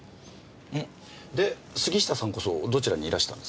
で杉下さんこそどちらにいらしたんですか？